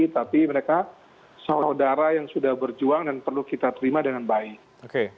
tapi mereka saudara yang sudah berjuang dan perlu kita terima dengan baik